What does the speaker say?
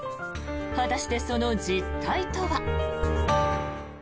果たしてその実態とは。